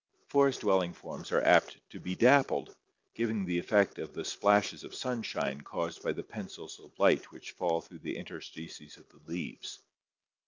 Forest dwelling forms are apt to be dappled, giving the effect of the splashes of sunshine caused by the pencils of light which fall through the inter stices of the leaves.